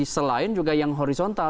selain juga yang horizontal